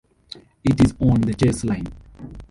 It is on the Chase Line.